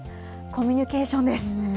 コミュニケーションです。